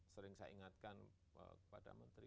sering saya ingatkan kepada menteri